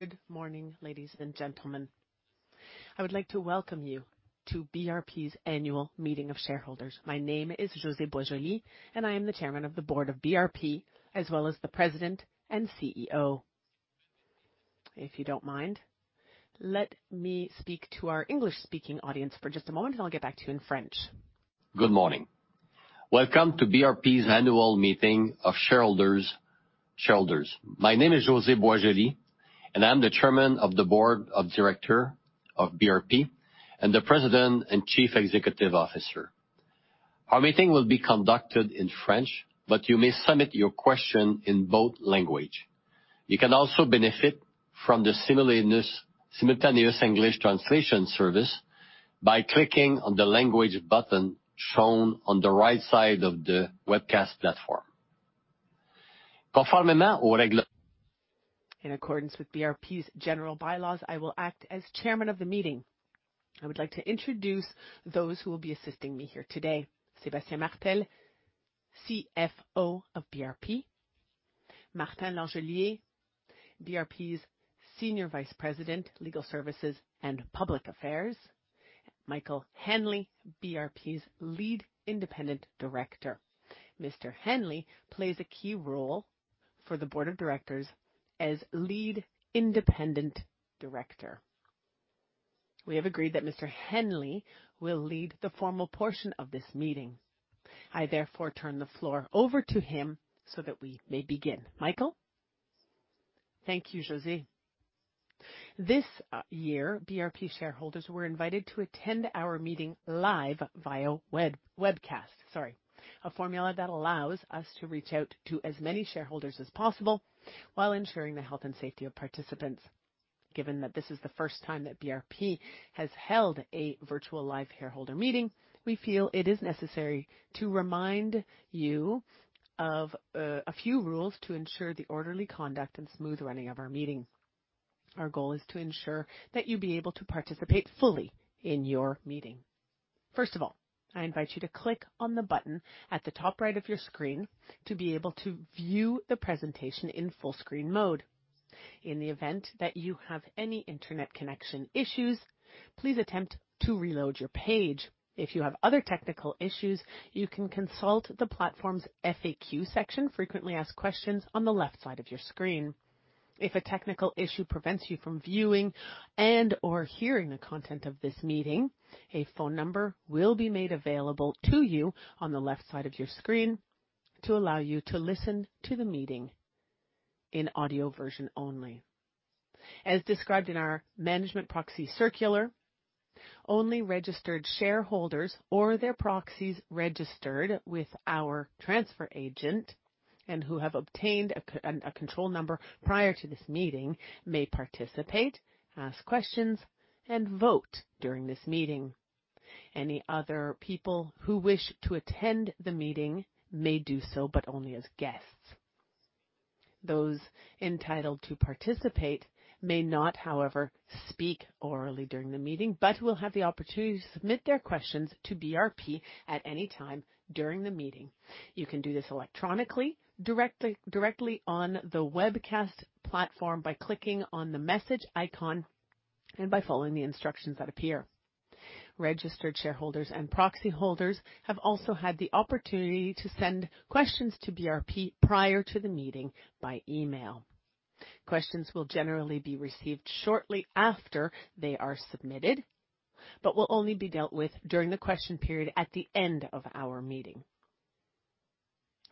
Good morning, ladies and gentlemen. I would like to welcome you to BRP's annual meeting of shareholders. My name is José Boisjoli, and I am the Chairman of the Board of BRP, as well as the President and CEO. If you don't mind, let me speak to our English-speaking audience for just a moment. I'll get back to you in French. Good morning. Welcome to BRP's annual meeting of shareholders. My name is José Boisjoli, and I'm the Chairman of the Board of Directors of BRP and the President and Chief Executive Officer. Our meeting will be conducted in French, but you may submit your question in both languages. You can also benefit from the simultaneous English translation service by clicking on the language button shown on the right side of the webcast platform, In accordance with BRP's general bylaws, I will act as chairman of the meeting. I would like to introduce those who will be assisting me here today. Sébastien Martel, CFO of BRP. Martin Langelier, BRP's Senior Vice President, Legal Services and Public Affairs. Michael Hanley, BRP's Lead Independent Director. Mr. Hanley plays a key role for the board of directors as lead independent director. We have agreed that Mr. Hanley will lead the formal portion of this meeting. I turn the floor over to him so that we may begin. Michael? Thank you, José. This year, BRP shareholders were invited to attend our meeting live via webcast, sorry. A formula that allows us to reach out to as many shareholders as possible while ensuring the health and safety of participants. Given that this is the first time that BRP has held a virtual live shareholder meeting, we feel it is necessary to remind you of a few rules to ensure the orderly conduct and smooth running of our meeting. Our goal is to ensure that you be able to participate fully in your meeting. First of all, I invite you to click on the button at the top right of your screen to be able to view the presentation in full screen mode. In the event that you have any internet connection issues, please attempt to reload your page. If you have other technical issues, you can consult the platform's FAQ section, frequently asked questions, on the left side of your screen. If a technical issue prevents you from viewing and/or hearing the content of this meeting, a phone number will be made available to you on the left side of your screen to allow you to listen to the meeting in audio version only. As described in our management proxy circular, only registered shareholders or their proxies registered with our transfer agent and who have obtained a control number prior to this meeting may participate, ask questions, and vote during this meeting. Any other people who wish to attend the meeting may do so, but only as guests. Those entitled to participate may not, however, speak orally during the meeting, but will have the opportunity to submit their questions to BRP at any time during the meeting. You can do this electronically, directly on the webcast platform by clicking on the message icon and by following the instructions that appear. Registered shareholders and proxy holders have also had the opportunity to send questions to BRP prior to the meeting by email. Questions will generally be received shortly after they are submitted, but will only be dealt with during the question period at the end of our meeting.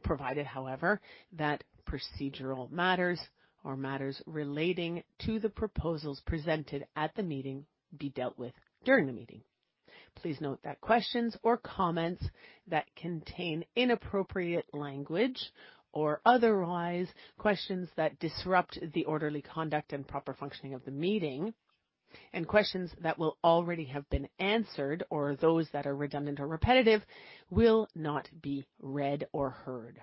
Provided, however, that procedural matters or matters relating to the proposals presented at the meeting be dealt with during the meeting. Please note that questions or comments that contain inappropriate language or otherwise questions that disrupt the orderly conduct and proper functioning of the meeting, and questions that will already have been answered or those that are redundant or repetitive will not be read or heard.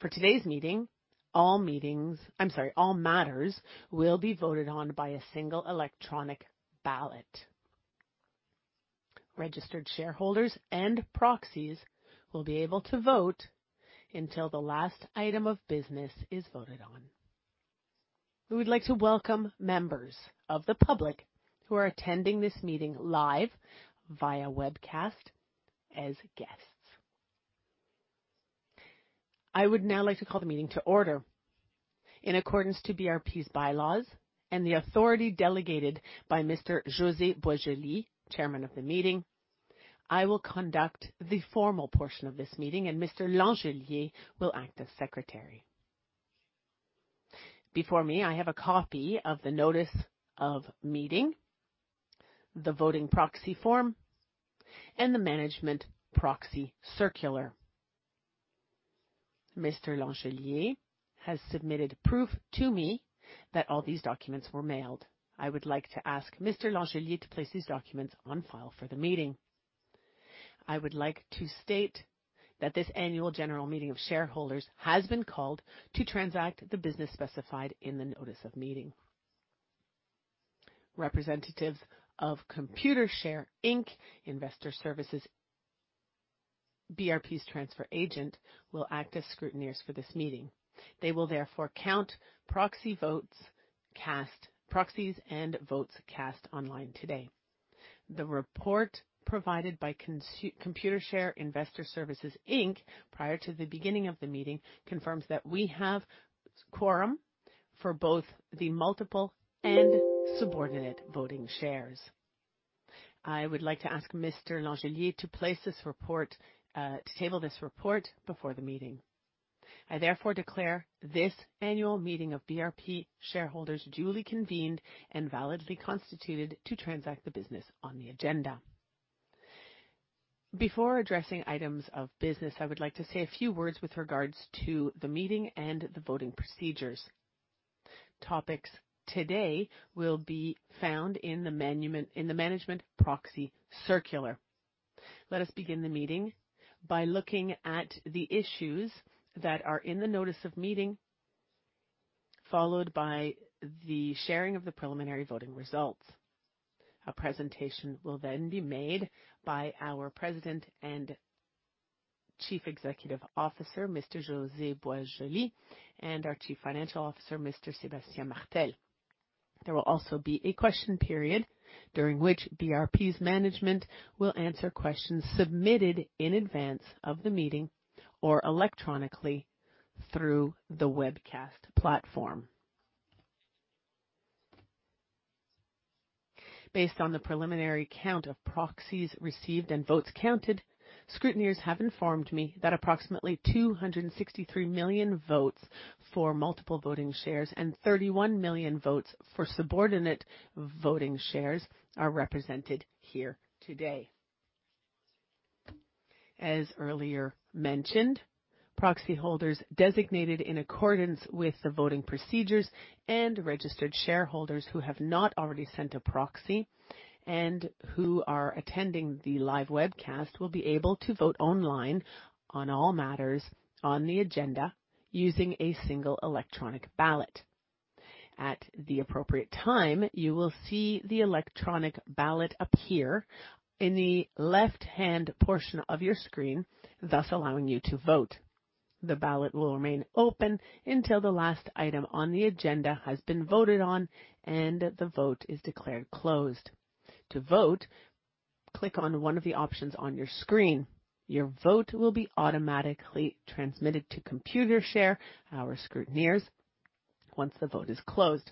For today's meeting, all matters will be voted on by a single electronic ballot. Registered shareholders and proxies will be able to vote until the last item of business is voted on. We would like to welcome members of the public who are attending this meeting live via webcast as guests. I would now like to call the meeting to order. In accordance to BRP's bylaws and the authority delegated by Mr. José Boisjoli, chairman of the meeting, I will conduct the formal portion of this meeting, and Mr. Langelier will act as secretary. Before me, I have a copy of the notice of meeting, the voting proxy form, and the management proxy circular. Mr. Langelier has submitted proof to me that all these documents were mailed. I would like to ask Mr. Langelier to place these documents on file for the meeting. I would like to state that this annual general meeting of shareholders has been called to transact the business specified in the notice of meeting. Representatives of Computershare Inc. Investor Services, BRP's transfer agent, will act as scrutineers for this meeting. They will therefore count proxy votes cast, proxies and votes cast online today. The report provided by Computershare Investor Services Inc., prior to the beginning of the meeting, confirms that we have quorum for both the multiple and subordinate voting shares. I would like to ask Mr. Langelier to table this report before the meeting. I therefore declare this annual meeting of BRP shareholders duly convened and validly constituted to transact the business on the agenda. Before addressing items of business, I would like to say a few words with regards to the meeting and the voting procedures. Topics today will be found in the management proxy circular. Let us begin the meeting by looking at the issues that are in the notice of meeting, followed by the sharing of the preliminary voting results. A presentation will then be made by our President and Chief Executive Officer, Mr. José Boisjoli, and our Chief Financial Officer, Mr. Sébastien Martel. There will also be a question period during which BRP's management will answer questions submitted in advance of the meeting or electronically through the webcast platform. Based on the preliminary count of proxies received and votes counted, scrutineers have informed me that approximately 263 million votes for multiple voting shares and 31 million votes for subordinate voting shares are represented here today. As earlier mentioned, proxy holders designated in accordance with the voting procedures and registered shareholders who have not already sent a proxy and who are attending the live webcast, will be able to vote online on all matters on the agenda using a single electronic ballot. At the appropriate time, you will see the electronic ballot appear in the left-hand portion of your screen, thus allowing you to vote. The ballot will remain open until the last item on the agenda has been voted on and the vote is declared closed. To vote, click on one of the options on your screen. Your vote will be automatically transmitted to Computershare, our scrutineers, once the vote is closed.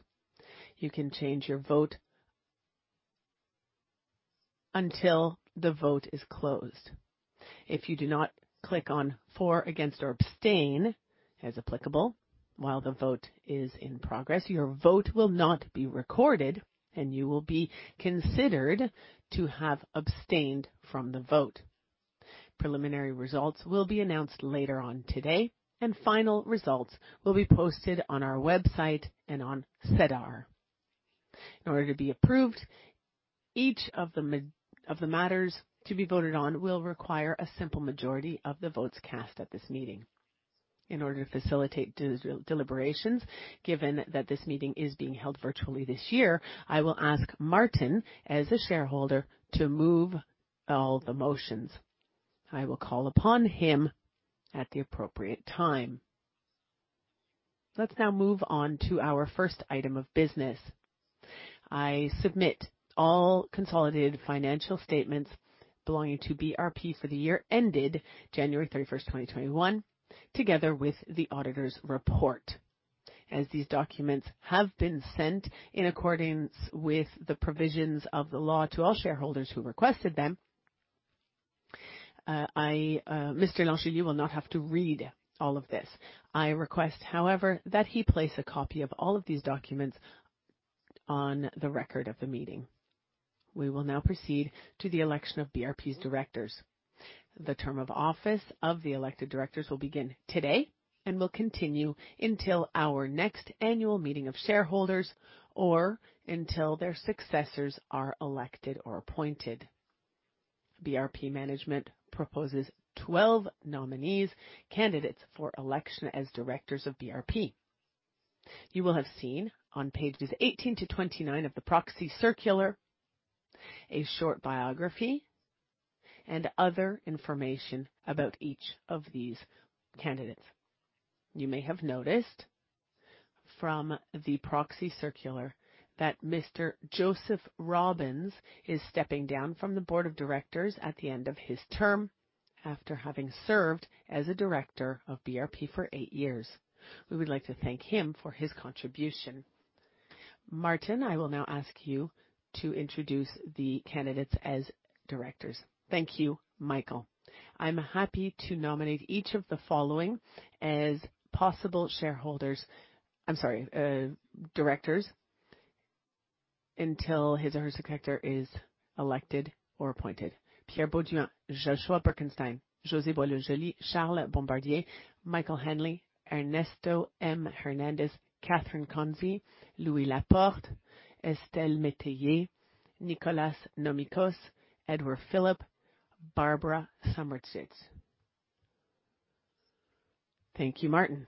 You can change your vote until the vote is closed. If you do not click on for, against, or abstain, as applicable while the vote is in progress, your vote will not be recorded and you will be considered to have abstained from the vote. Preliminary results will be announced later on today, and final results will be posted on our website and on SEDAR. In order to be approved, each of the matters to be voted on will require a simple majority of the votes cast at this meeting. In order to facilitate deliberations, given that this meeting is being held virtually this year, I will ask Martin as a shareholder to move all the motions. I will call upon him at the appropriate time. Let's now move on to our first item of business. I submit all consolidated financial statements belonging to BRP for the year ended January 31st, 2021, together with the auditor's report. As these documents have been sent in accordance with the provisions of the law to all shareholders who requested them, Mr. Langelier will not have to read all of this. I request, however, that he place a copy of all of these documents on the record of the meeting. We will now proceed to the election of BRP's directors. The term of office of the elected directors will begin today and will continue until our next annual meeting of shareholders or until their successors are elected or appointed. BRP management proposes 12 nominees, candidates for election as directors of BRP. You will have seen on pages 18 to 29 of the proxy circular a short biography and other information about each of these candidates. You may have noticed from the proxy circular that Mr. Joseph Robbins is stepping down from the board of directors at the end of his term after having served as a director of BRP for eight years. We would like to thank him for his contribution. Martin, I will now ask you to introduce the candidates as directors. Thank you, Michael. I'm happy to nominate each of the following as possible shareholders. I'm sorry, directors, until his or her successor is elected or appointed. Pierre Beaudoin, Joshua Bekenstein, José Boisjoli, Charles Bombardier, Michael Hanley, Ernesto M. Hernández, Katherine Kountze, Louis Laporte, Estelle Métayer, Nicholas Nomicos, Edward Philip, Barbara Samardzich. Thank you, Martin.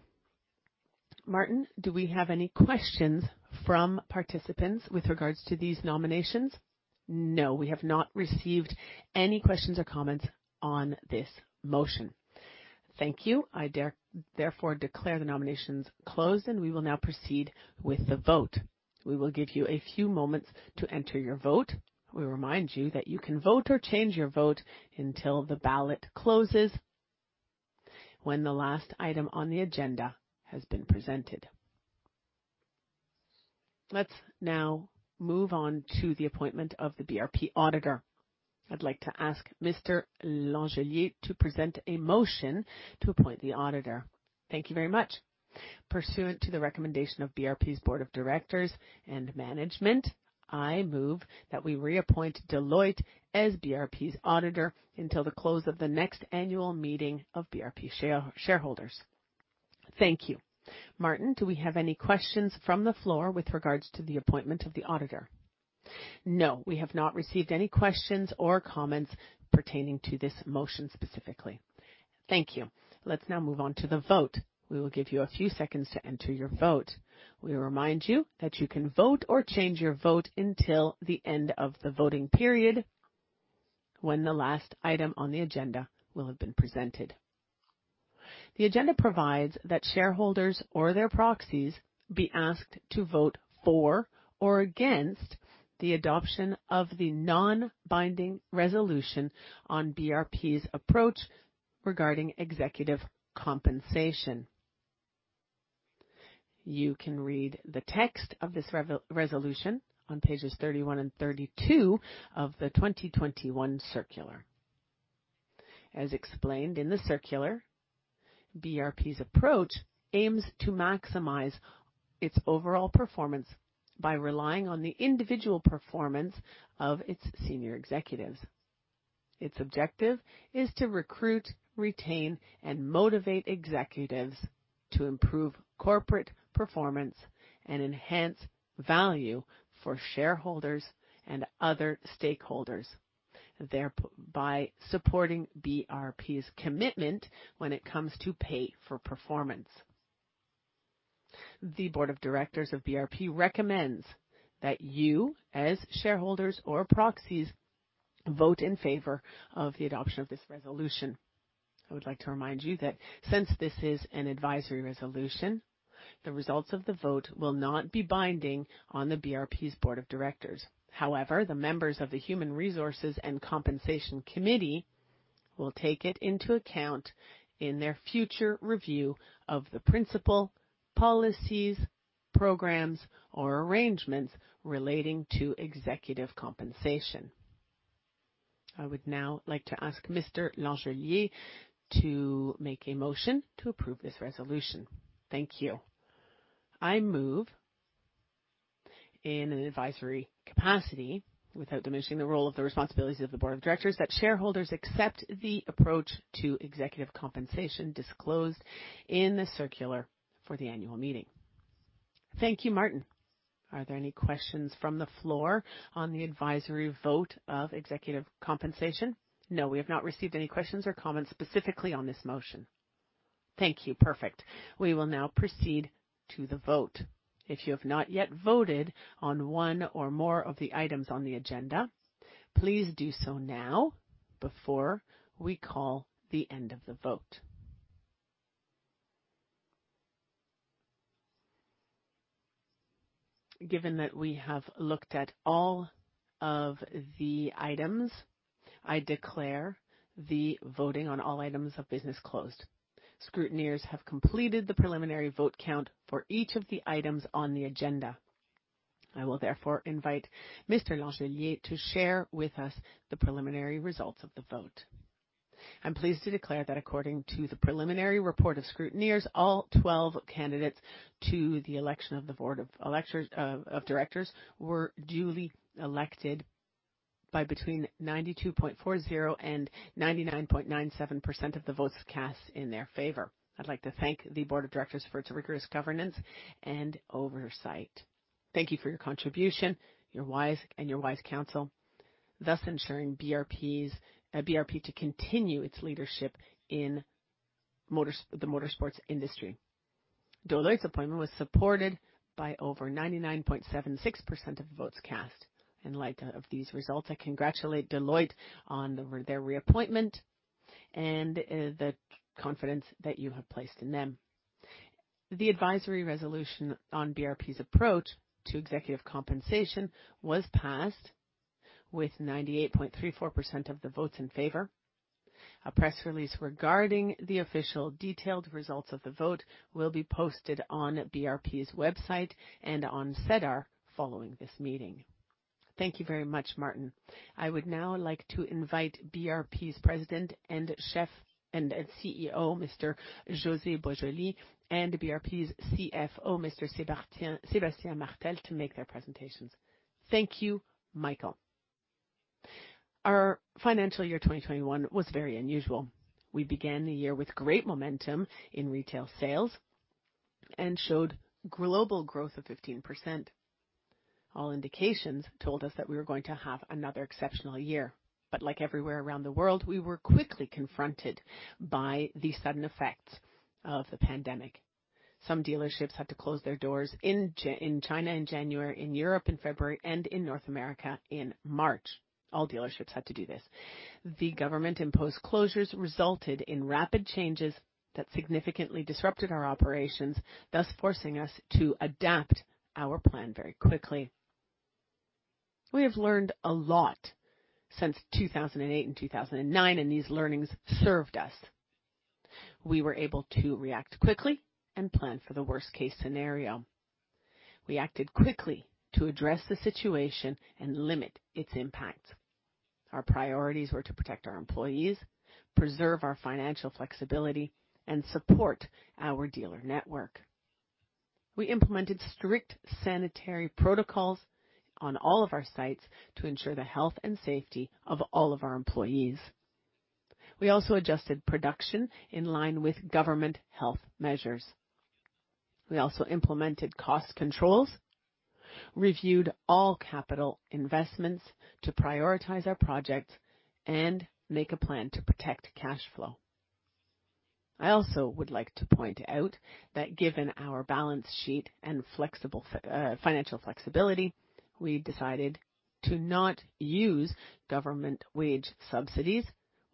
Martin, do we have any questions from participants with regards to these nominations? No, we have not received any questions or comments on this motion. Thank you. I therefore declare the nominations closed, and we will now proceed with the vote. We will give you a few moments to enter your vote. We remind you that you can vote or change your vote until the ballot closes when the last item on the agenda has been presented. Let's now move on to the appointment of the BRP auditor. I'd like to ask Mr. Langelier to present a motion to appoint the auditor. Thank you very much. Pursuant to the recommendation of BRP's Board of Directors and management, I move that we reappoint Deloitte as BRP's auditor until the close of the next annual meeting of BRP shareholders. Thank you. Martin, do we have any questions from the floor with regards to the appointment of the auditor? No, we have not received any questions or comments pertaining to this motion specifically. Thank you. Let's now move on to the vote. We will give you a few seconds to enter your vote. We remind you that you can vote or change your vote until the end of the voting period when the last item on the agenda will have been presented. The agenda provides that shareholders or their proxies be asked to vote for or against the adoption of the non-binding resolution on BRP's approach regarding executive compensation. You can read the text of this resolution on pages 31 and 32 of the 2021 circular. As explained in the circular, BRP's approach aims to maximize its overall performance by relying on the individual performance of its senior executives. Its objective is to recruit, retain, and motivate executives to improve corporate performance and enhance value for shareholders and other stakeholders thereby supporting BRP's commitment when it comes to pay for performance. The board of directors of BRP recommends that you, as shareholders or proxies, vote in favor of the adoption of this resolution. I would like to remind you that since this is an advisory resolution, the results of the vote will not be binding on the BRP's board of directors. However, the members of the Human Resources and Compensation Committee will take it into account in their future review of the principle, policies, programs, or arrangements relating to executive compensation. I would now like to ask Mr. Langelier to make a motion to approve this resolution. Thank you. I move in an advisory capacity, without diminishing the role of the responsibilities of the board of directors that shareholders accept the approach to executive compensation disclosed in the circular for the annual meeting. Thank you, Martin. Are there any questions from the floor on the advisory vote of executive compensation? No, we have not received any questions or comments specifically on this motion. Thank you. Perfect. We will now proceed to the vote. If you have not yet voted on one or more of the items on the agenda, please do so now before we call the end of the vote. Given that we have looked at all of the items, I declare the voting on all items of business closed. Scrutineers have completed the preliminary vote count for each of the items on the agenda. I will invite Mr. Langelier to share with us the preliminary results of the vote. I'm pleased to declare that according to the preliminary report of scrutineers, all 12 candidates to the election of the board of directors were duly elected by between 92.40% and 99.97% of the votes cast in their favor. I'd like to thank the board of directors for its rigorous governance and oversight. Thank you for your contribution, your wise counsel, thus ensuring BRP to continue its leadership in the motorsports industry. Deloitte's appointment was supported by over 99.76% of votes cast. In light of these results, I congratulate Deloitte on their reappointment and the confidence that you have placed in them. The advisory resolution on BRP's approach to executive compensation was passed with 98.34% of the votes in favor. A press release regarding the official detailed results of the vote will be posted on BRP's website and on SEDAR following this meeting. Thank you very much, Martin. I would now like to invite BRP's President and CEO, Mr. José Boisjoli, and BRP's CFO, Mr. Sébastien Martel, to make their presentations. Thank you, Michael. Our financial year 2021 was very unusual. We began the year with great momentum in retail sales and showed global growth of 15%. All indications told us that we were going to have another exceptional year. Like everywhere around the world, we were quickly confronted by the sudden effects of the pandemic. Some dealerships had to close their doors in China in January, in Europe in February, and in North America in March. All dealerships had to do this. The government-imposed closures resulted in rapid changes that significantly disrupted our operations, thus forcing us to adapt our plan very quickly. We have learned a lot since 2008 and 2009, and these learnings served us. We were able to react quickly and plan for the worst-case scenario. We acted quickly to address the situation and limit its impact. Our priorities were to protect our employees, preserve our financial flexibility, and support our dealer network. We implemented strict sanitary protocols on all of our sites to ensure the health and safety of all of our employees. We also adjusted production in line with government health measures. We also implemented cost controls, reviewed all capital investments to prioritize our projects, and made a plan to protect cash flow. I also would like to point out that given our balance sheet and financial flexibility, we decided to not use government wage subsidies,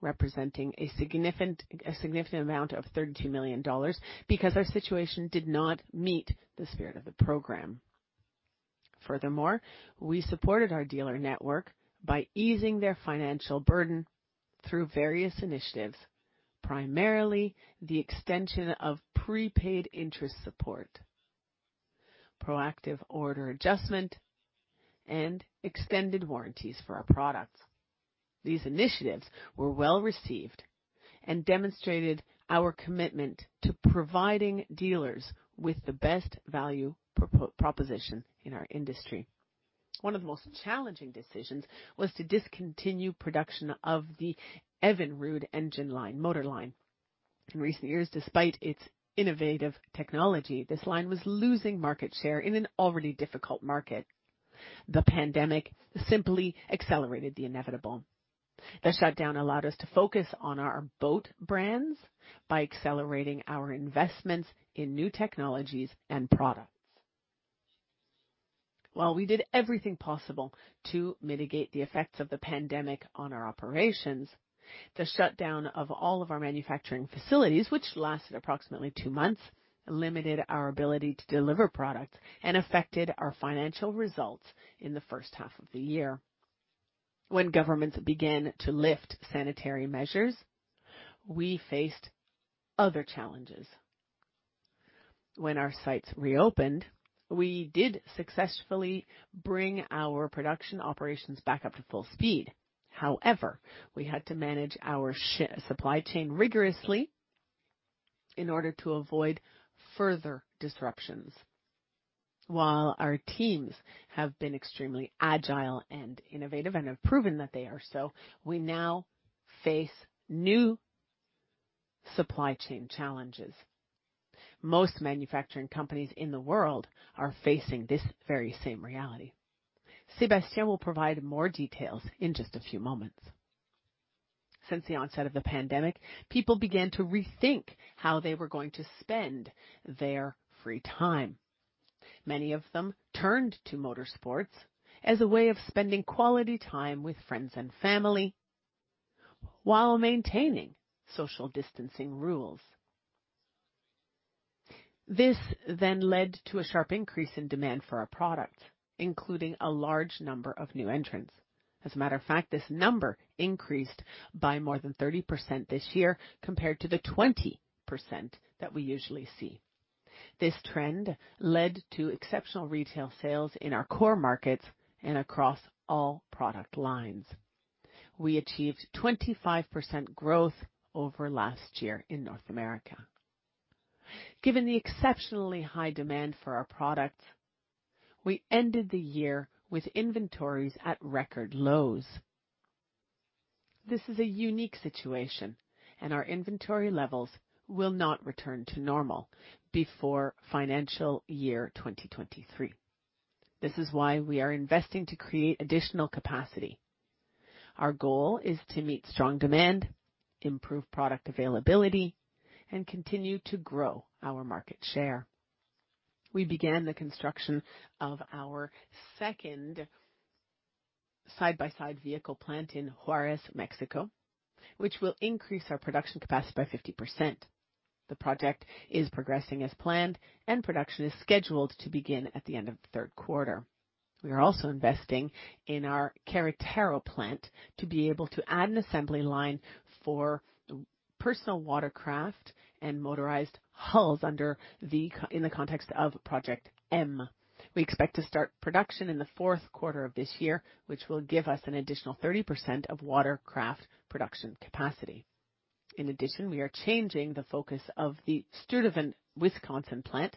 representing a significant amount of 32 million dollars, because our situation did not meet the spirit of the program. We supported our dealer network by easing their financial burden through various initiatives, primarily the extension of prepaid interest support, proactive order adjustment, and extended warranties for our products. These initiatives were well-received and demonstrated our commitment to providing dealers with the best value proposition in our industry. One of the most challenging decisions was to discontinue production of the Evinrude engine line, motor line. In recent years, despite its innovative technology, this line was losing market share in an already difficult market. The pandemic simply accelerated the inevitable. The shutdown allowed us to focus on our boat brands by accelerating our investments in new technologies and products. While we did everything possible to mitigate the effects of the pandemic on our operations, the shutdown of all of our manufacturing facilities, which lasted approximately two months, limited our ability to deliver products and affected our financial results in the first half of the year. When governments began to lift sanitary measures, we faced other challenges. When our sites reopened, we did successfully bring our production operations back up to full speed. However, we had to manage our supply chain rigorously in order to avoid further disruptions. While our teams have been extremely agile and innovative, and have proven that they are so, we now face new supply chain challenges. Most manufacturing companies in the world are facing this very same reality. Sébastien will provide more details in just a few moments. Since the onset of the pandemic, people began to rethink how they were going to spend their free time. Many of them turned to motorsports as a way of spending quality time with friends and family while maintaining social distancing rules. This led to a sharp increase in demand for our products, including a large number of new entrants. As a matter of fact, this number increased by more than 30% this year compared to the 20% that we usually see. This trend led to exceptional retail sales in our core markets and across all product lines. We achieved 25% growth over last year in North America. Given the exceptionally high demand for our products, we ended the year with inventories at record lows. This is a unique situation, and our inventory levels will not return to normal before financial year 2023. This is why we are investing to create additional capacity. Our goal is to meet strong demand, improve product availability, and continue to grow our market share. We began the construction of our second side-by-side vehicle plant in Juarez, Mexico, which will increase our production capacity by 50%. The project is progressing as planned, and production is scheduled to begin at the end of the third quarter. We are also investing in our Queretaro plant to be able to add an assembly line for personal watercraft and motorized hulls in the context of Project M. We expect to start production in the fourth quarter of this year, which will give us an additional 30% of watercraft production capacity. In addition, we are changing the focus of the Sturtevant, Wisconsin plant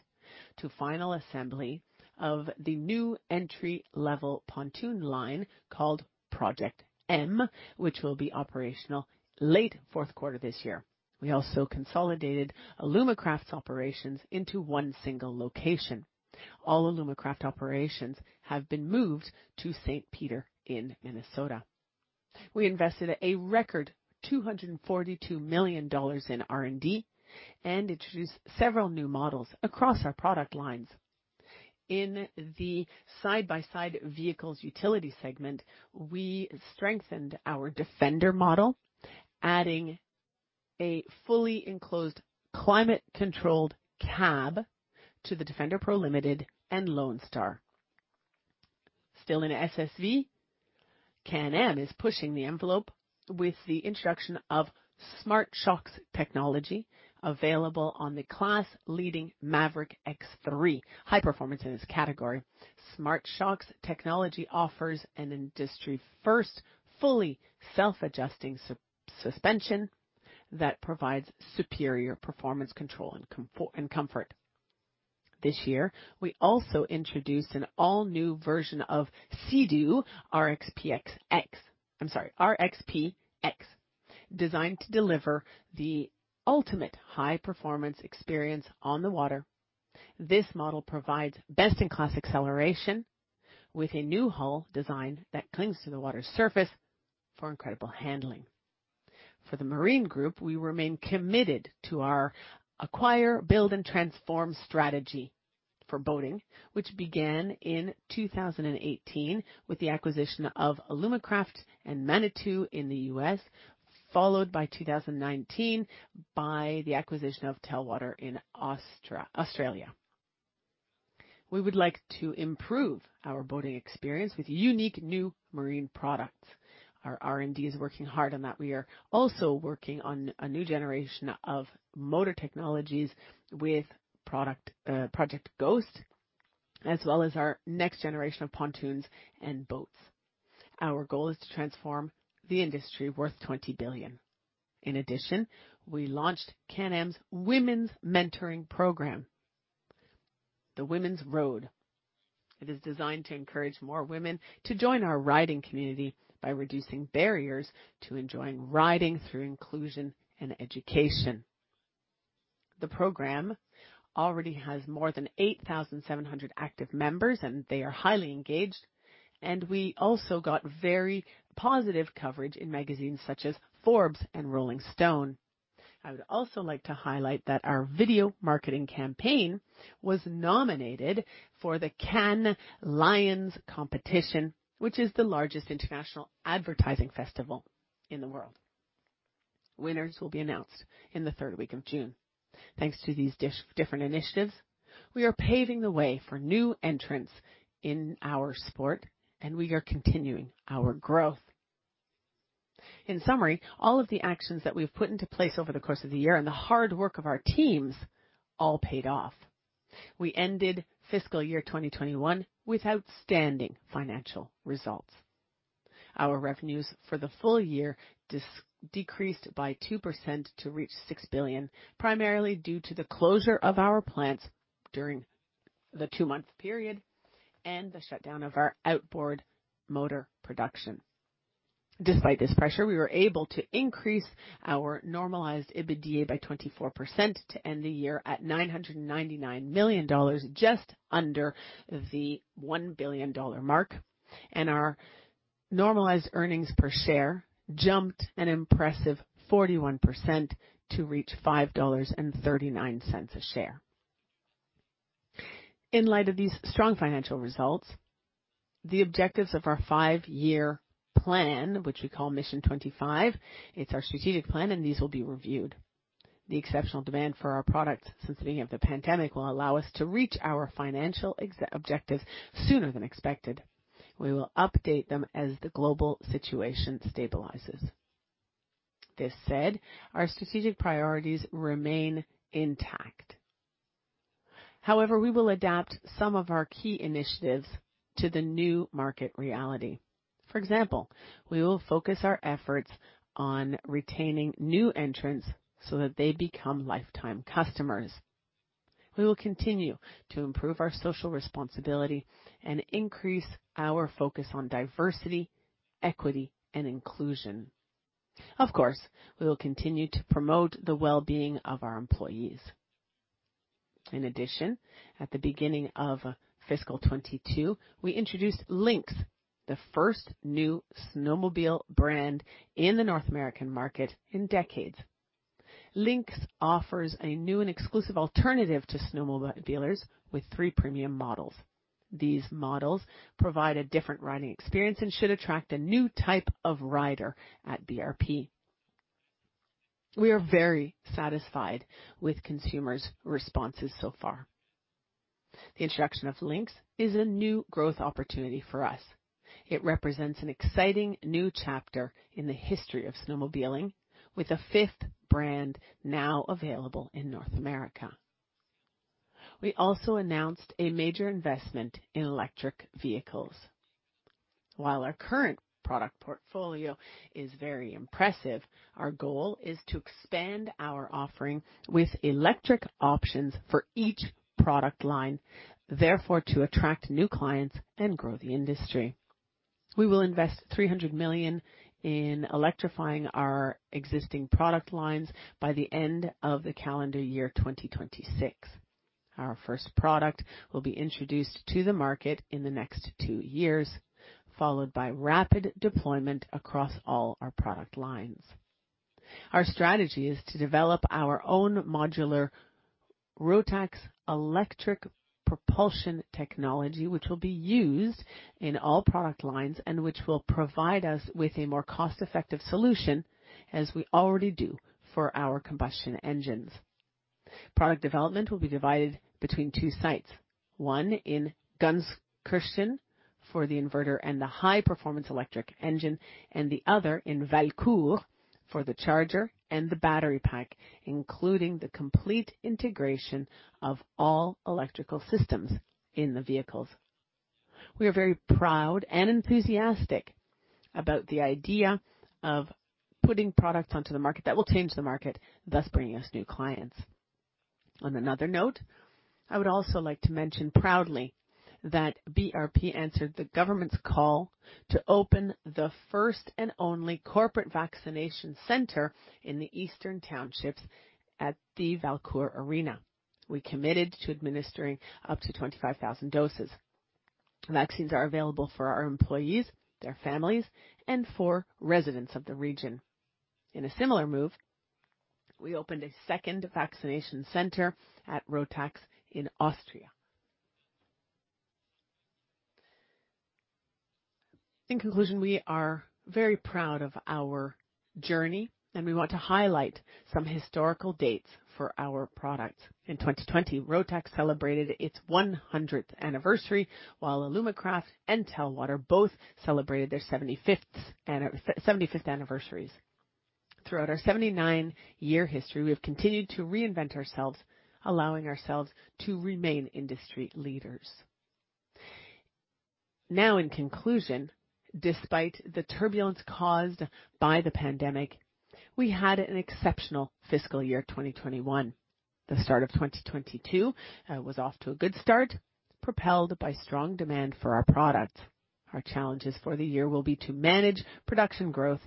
to final assembly of the new entry-level pontoon line called Project M, which will be operational late fourth quarter this year. We also consolidated Alumacraft's operations into one single location. All Alumacraft operations have been moved to Saint Peter in Minnesota. We invested a record 242 million dollars in R&D and introduced several new models across our product lines. In the side-by-side vehicles utility segment, we strengthened our Defender model, adding a fully enclosed climate-controlled cab to the Defender PRO Limited and Lone Star. Still in SSV, Can-Am is pushing the envelope with the introduction of Smart-Shox technology available on the class-leading Maverick X3 high-performance category. Smart-Shox technology offers an industry-first fully self-adjusting suspension that provides superior performance control and comfort. This year, we also introduced an all-new version of Sea-Doo RXP-X designed to deliver the ultimate high-performance experience on the water. This model provides best-in-class acceleration with a new hull design that clings to the water's surface for incredible handling. For the Marine Group, we remain committed to our acquire, build, and transform strategy for boating, which began in 2018 with the acquisition of Alumacraft and Manitou in the U.S., followed by 2019 by the acquisition of Telwater in Australia. We would like to improve our boating experience with unique new marine products. Our R&D is working hard on that. We are also working on a new generation of motor technologies with Project Ghost, as well as our next generation of pontoons and boats. Our goal is to transform the industry worth 20 billion. In addition, we launched Can-Am Women's Mentorship Program, The Women's Road. It is designed to encourage more women to join our riding community by reducing barriers to enjoying riding through inclusion and education. The program already has more than 8,700 active members, and they are highly engaged, and we also got very positive coverage in magazines such as Forbes and Rolling Stone. I would also like to highlight that our video marketing campaign was nominated for the Cannes Lions competition, which is the largest international advertising festival in the world. Winners will be announced in the third week of June. Thanks to these different initiatives, we are paving the way for new entrants in our sport, and we are continuing our growth. In summary, all of the actions that we've put into place over the course of the year and the hard work of our teams all paid off. We ended fiscal year 2021 with outstanding financial results. Our revenues for the full year decreased by 2% to reach 6 billion, primarily due to the closure of our plants during the two-month period and the shutdown of our outboard motor production. Despite this pressure, we were able to increase our normalized EBITDA by 24% to end the year at 999 million dollars, just under the 1 billion dollar mark, and our normalized earnings per share jumped an impressive 41% to reach 5.39 dollars a share. In light of these strong financial results, the objectives of our five-year plan, which we call Mission 25, it's our strategic plan, and these will be reviewed. The exceptional demand for our products since the beginning of the pandemic will allow us to reach our financial objectives sooner than expected. We will update them as the global situation stabilizes. This said, our strategic priorities remain intact. However, we will adapt some of our key initiatives to the new market reality. For example, we will focus our efforts on retaining new entrants so that they become lifetime customers. We will continue to improve our social responsibility and increase our focus on diversity, equity, and inclusion. Of course, we will continue to promote the well-being of our employees. In addition, at the beginning of fiscal 2022, we introduced Lynx, the first new snowmobile brand in the North American market in decades. Lynx offers a new and exclusive alternative to snowmobile dealers with three premium models. These models provide a different riding experience and should attract a new type of rider at BRP. We are very satisfied with consumers' responses so far. The introduction of Lynx is a new growth opportunity for us. It represents an exciting new chapter in the history of snowmobiling with a fifth brand now available in North America. We also announced a major investment in electric vehicles. While our current product portfolio is very impressive, our goal is to expand our offering with electric options for each product line, therefore, to attract new clients and grow the industry. We will invest 300 million in electrifying our existing product lines by the end of the calendar year 2026. Our first product will be introduced to the market in the next two years, followed by rapid deployment across all our product lines. Our strategy is to develop our own modular Rotax electric propulsion technology, which will be used in all product lines and which will provide us with a more cost-effective solution as we already do for our combustion engines. Product development will be divided between two sites, one in Gunskirchen for the inverter and the high-performance electric engine, and the other in Valcourt for the charger and the battery pack, including the complete integration of all electrical systems in the vehicles. We are very proud and enthusiastic about the idea of putting products onto the market that will change the market, thus bringing us new clients. On another note, I would also like to mention proudly that BRP answered the government's call to open the first and only corporate vaccination center in the Eastern Townships at the Valcourt Arena. We committed to administering up to 25,000 doses. Vaccines are available for our employees, their families, and for residents of the region. In a similar move, we opened a second vaccination center at Rotax in Austria. In conclusion, we are very proud of our journey and we want to highlight some historical dates for our products. In 2020, Rotax celebrated its 100th anniversary, while Alumacraft and Telwater both celebrated their 75th anniversaries. Throughout our 79-year history, we have continued to reinvent ourselves, allowing ourselves to remain industry leaders. In conclusion, despite the turbulence caused by the pandemic, we had an exceptional fiscal year 2021. The start of 2022 was off to a good start, propelled by strong demand for our product. Our challenges for the year will be to manage production growth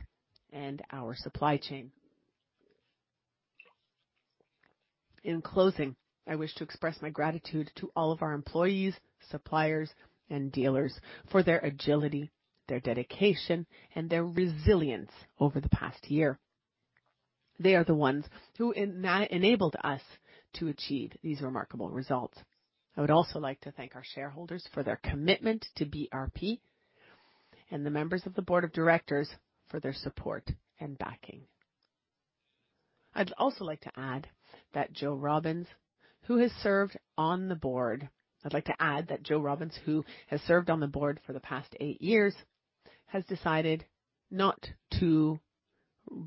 and our supply chain. In closing, I wish to express my gratitude to all of our employees, suppliers, and dealers for their agility, their dedication, and their resilience over the past year. They are the ones who enabled us to achieve these remarkable results. I would also like to thank our shareholders for their commitment to BRP and the members of the board of directors for their support and backing. I'd also like to add that Joe Robbins, who has served on the board for the past eight years, has decided not to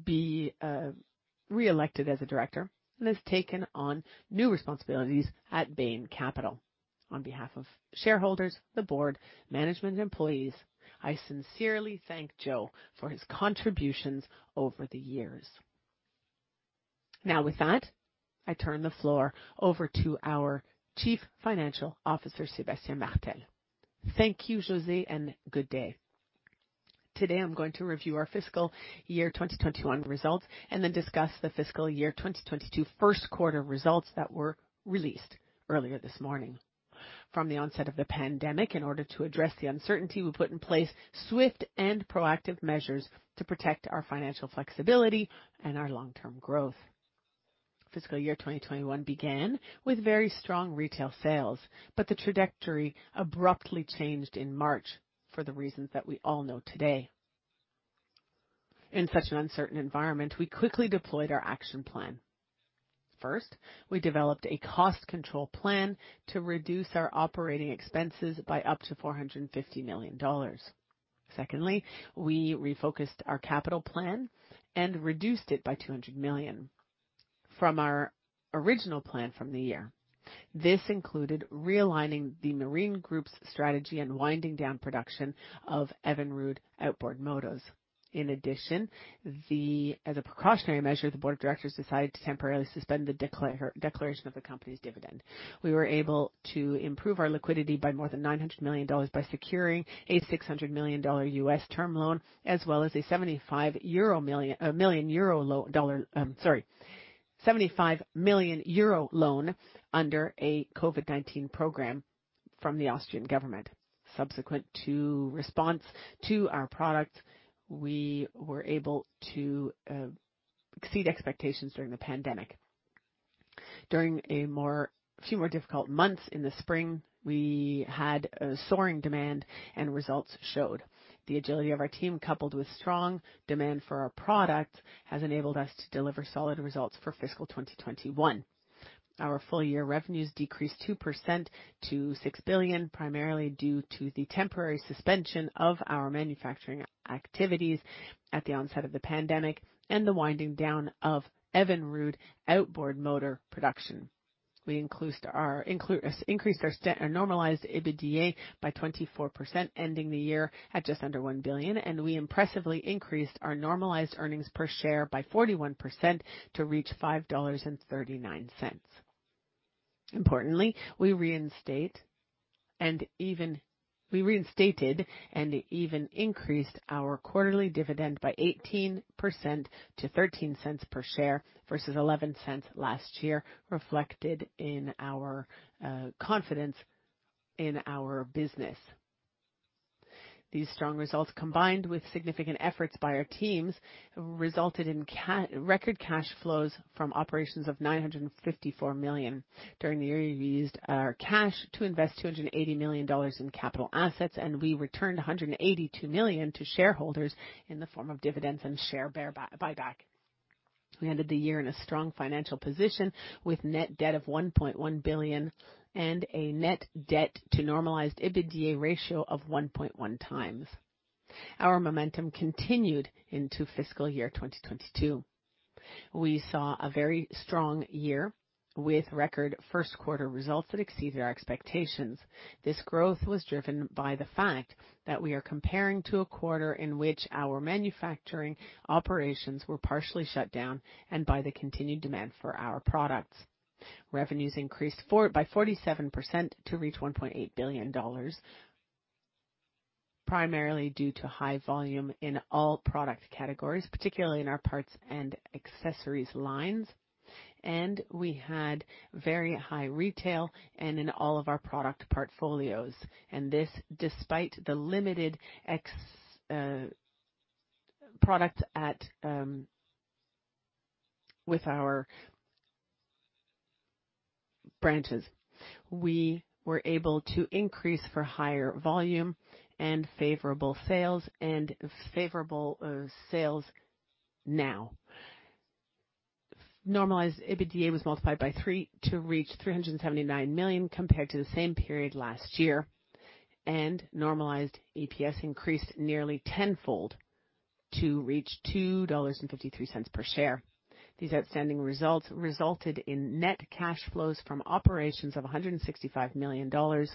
be reelected as a director and has taken on new responsibilities at Bain Capital. On behalf of shareholders, the board, management, and employees, I sincerely thank Joe for his contributions over the years. With that, I turn the floor over to our Chief Financial Officer, Sébastien Martel. Thank you, José, and good day. Today I'm going to review our fiscal year 2021 results and then discuss the fiscal year 2022 first quarter results that were released earlier this morning. From the onset of the pandemic, in order to address the uncertainty, we put in place swift and proactive measures to protect our financial flexibility and our long-term growth. Fiscal year 2021 began with very strong retail sales, but the trajectory abruptly changed in March for the reasons that we all know today. In such an uncertain environment, we quickly deployed our action plan. First, we developed a cost control plan to reduce our operating expenses by up to 450 million dollars. Secondly, we refocused our capital plan and reduced it by 200 million from our original plan from the year. This included realigning the Marine group's strategy and winding down production of Evinrude outboard motors. In addition, as a precautionary measure, the Board of Directors decided to temporarily suspend the declaration of the company's dividend. We were able to improve our liquidity by more than $900 million by securing a $600 million U.S. term loan, as well as a 75 million euro loan under a COVID-19 program from the Austrian government. Subsequent to response to our product, we were able to exceed expectations during the pandemic. During a few more difficult months in the spring, we had a soaring demand and results showed. The agility of our team, coupled with strong demand for our product, has enabled us to deliver solid results for fiscal 2021. Our full-year revenues decreased 2% to CAD 6 billion, primarily due to the temporary suspension of our manufacturing activities at the onset of the pandemic and the winding down of Evinrude outboard motor production. We increased our normalized EBITDA by 24%, ending the year at just under 1 billion. We impressively increased our normalized earnings per share by 41% to reach 5.39 dollars. Importantly, we reinstated and even increased our quarterly dividend by 18% to 0.13 per share versus 0.11 last year, reflected in our confidence in our business. These strong results, combined with significant efforts by our teams, resulted in record cash flows from operations of 954 million. During the year, we used our cash to invest 280 million dollars in capital assets. We returned 182 million to shareholders in the form of dividends and share buyback. We ended the year in a strong financial position with net debt of 1.1 billion and a net debt to normalized EBITDA ratio of 1.1x. Our momentum continued into fiscal year 2022. We saw a very strong year with record first quarter results that exceeded our expectations. This growth was driven by the fact that we are comparing to a quarter in which our manufacturing operations were partially shut down and by the continued demand for our products. Revenues increased by 47% to reach 1.8 billion dollars, primarily due to high volume in all product categories, particularly in our parts and accessories lines. We had very high retail and in all of our product portfolios. This despite the limited products with our branches. We were able to increase for higher volume and favorable sales now. Normalized EBITDA was multiplied by three to reach 379 million compared to the same period last year, and normalized EPS increased nearly tenfold to reach 2.53 dollars per share. These outstanding results resulted in net cash flows from operations of 165 million dollars.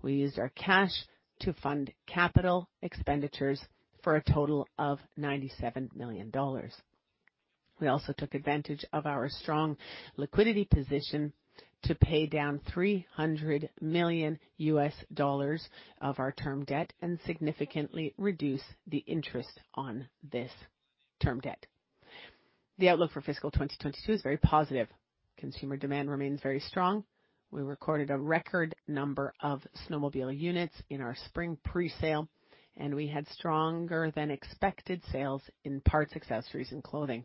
We used our cash to fund capital expenditures for a total of 97 million dollars. We also took advantage of our strong liquidity position to pay down $300 million of our term debt and significantly reduce the interest on this term debt. The outlook for fiscal 2022 is very positive. Consumer demand remains very strong. We recorded a record number of snowmobile units in our spring presale, and we had stronger than expected sales in parts, accessories, and clothing.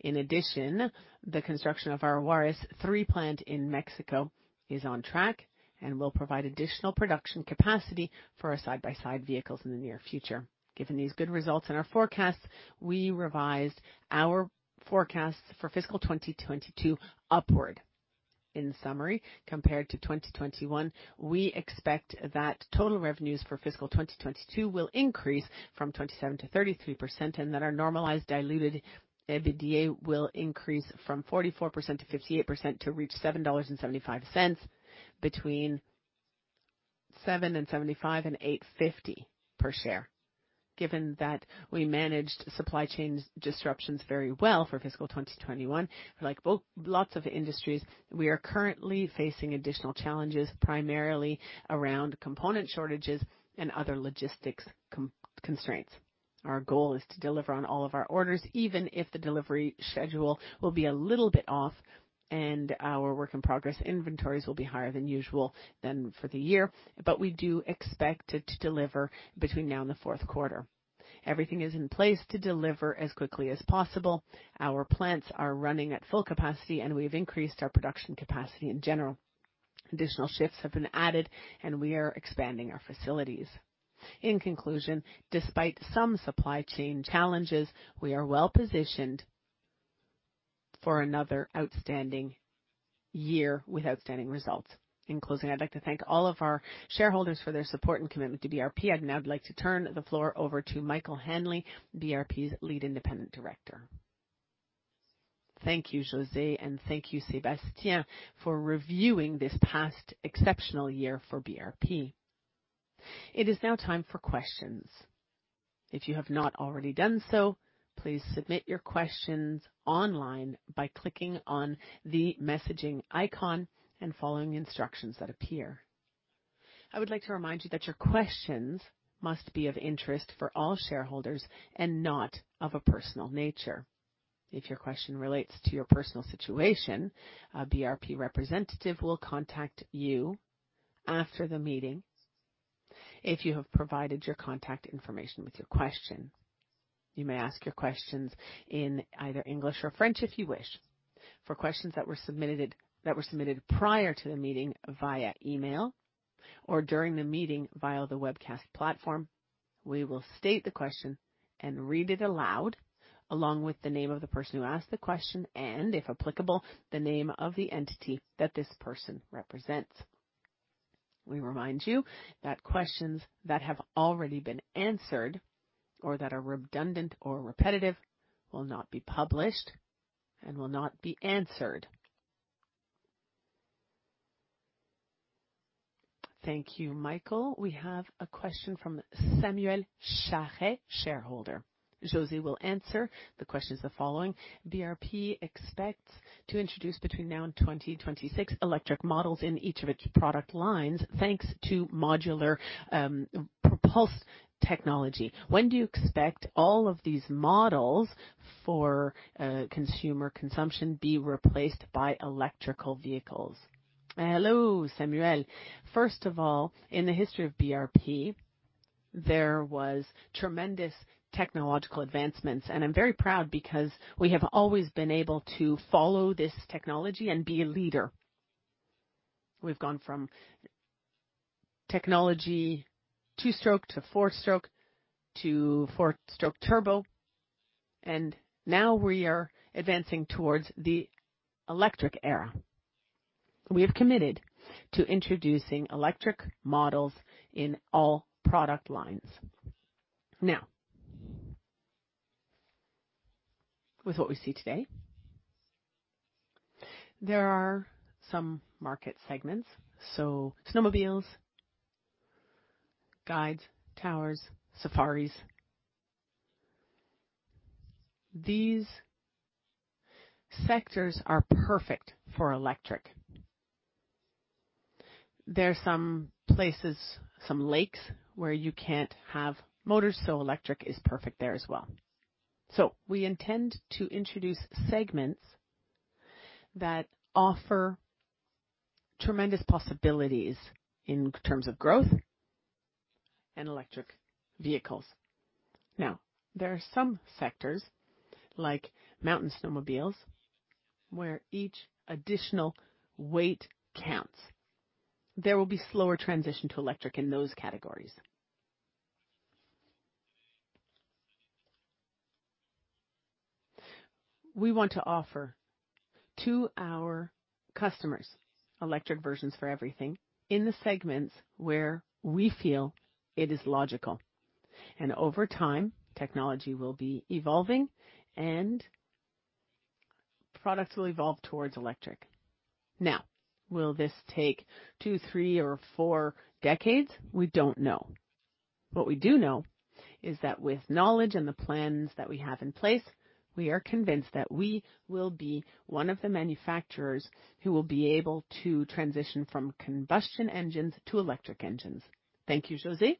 In addition, the construction of our Juarez III plant in Mexico is on track and will provide additional production capacity for our side-by-side vehicles in the near future. Given these good results and our forecasts, we revised our forecasts for fiscal 2022 upward. In summary, compared to 2021, we expect that total revenues for fiscal 2022 will increase from 27%-33% and that our normalized diluted EBITDA will increase from 44%-58% to reach 7.75 dollars, between 7.75 and 8.50 per share. Given that we managed supply chains disruptions very well for fiscal 2021, like lots of industries, we are currently facing additional challenges, primarily around component shortages and other logistics constraints. Our goal is to deliver on all of our orders, even if the delivery schedule will be a little bit off and our work in progress inventories will be higher than usual than for the year. We do expect to deliver between now and the fourth quarter. Everything is in place to deliver as quickly as possible. Our plants are running at full capacity, and we've increased our production capacity in general. Additional shifts have been added, and we are expanding our facilities. In conclusion, despite some supply chain challenges, we are well-positioned for another outstanding year with outstanding results. In closing, I'd like to thank all of our shareholders for their support and commitment to BRP. I'd now like to turn the floor over to Michael Hanley, BRP's Lead Independent Director. Thank you, José, and thank you, Sébastien, for reviewing this past exceptional year for BRP. It is now time for questions. If you have not already done so, please submit your questions online by clicking on the messaging icon and following the instructions that appear. I would like to remind you that your questions must be of interest for all shareholders and not of a personal nature. If your question relates to your personal situation, a BRP representative will contact you after the meeting if you have provided your contact information with your question. You may ask your questions in either English or French if you wish. For questions that were submitted prior to the meeting via email or during the meeting via the webcast platform, we will state the question and read it aloud, along with the name of the person who asked the question and, if applicable, the name of the entity that this person represents. We remind you that questions that have already been answered or that are redundant or repetitive will not be published and will not be answered. Thank you, Michael. We have a question from Samuel Charest, shareholder. José will answer. The question is the following: BRP expects to introduce between now and 2026 electric models in each of its product lines, thanks to modular pulse technology. When do you expect all of these models for consumer consumption be replaced by electrical vehicles? Hello, Samuel. First of all, in the history of BRP, there was tremendous technological advancements, and I'm very proud because we have always been able to follow this technology and be a leader. We've gone from technology two-stroke to four-stroke to four-stroke turbo, and now we are advancing towards the electric era. We have committed to introducing electric models in all product lines. With what we see today, there are some market segments, so snowmobiles, guides, towers, safaris. These sectors are perfect for electric. There are some places, some lakes where you can't have motors, so electric is perfect there as well. We intend to introduce segments that offer tremendous possibilities in terms of growth and electric vehicles. There are some sectors, like mountain snowmobiles, where each additional weight counts. There will be slower transition to electric in those categories. We want to offer to our customers electric versions for everything in the segments where we feel it is logical. Over time, technology will be evolving and products will evolve towards electric. Will this take two, three, or four decades? We don't know. What we do know is that with knowledge and the plans that we have in place, we are convinced that we will be one of the manufacturers who will be able to transition from combustion engines to electric engines. Thank you, José.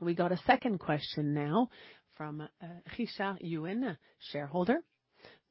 We go to second question now from Richard Ewin, shareholder.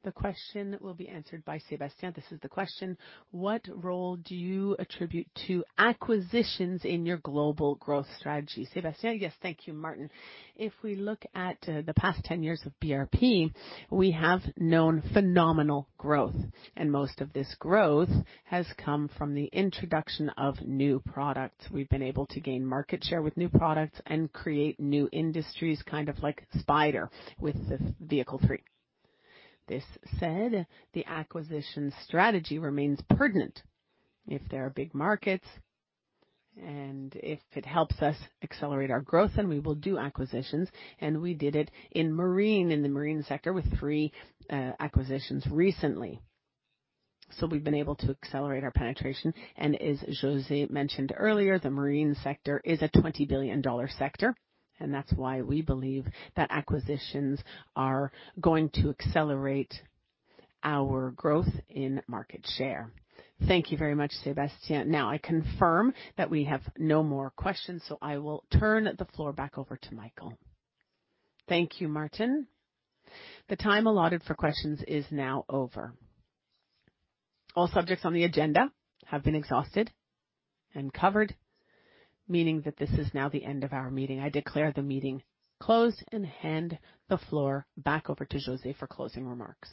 The question that will be answered by Sébastien. This is the question: what role do you attribute to acquisitions in your global growth strategy? Sébastien. Yes. Thank you, Martin. If we look at the past 10 years of BRP, we have known phenomenal growth, and most of this growth has come from the introduction of new products. We've been able to gain market share with new products and create new industries, kind of like Spyder with vehicle three. This said, the acquisition strategy remains pertinent. If there are big markets and if it helps us accelerate our growth, then we will do acquisitions and we did it in marine, in the marine sector with three acquisitions recently. We've been able to accelerate our penetration, and as José mentioned earlier, the marine sector is a 20 billion dollar sector, and that's why we believe that acquisitions are going to accelerate our growth in market share. Thank you very much, Sébastien. I confirm that we have no more questions, so I will turn the floor back over to Michael. Thank you, Martin. The time allotted for questions is now over. All subjects on the agenda have been exhausted and covered, meaning that this is now the end of our meeting. I declare the meeting closed and hand the floor back over to José for closing remarks.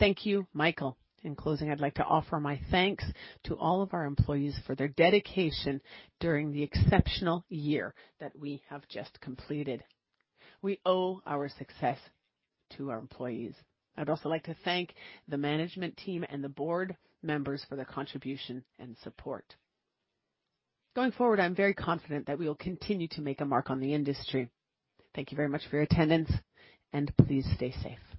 Thank you, Michael. In closing, I'd like to offer my thanks to all of our employees for their dedication during the exceptional year that we have just completed. We owe our success to our employees. I'd also like to thank the management team and the board members for their contribution and support. Going forward, I'm very confident that we will continue to make a mark on the industry. Thank you very much for your attendance and please stay safe.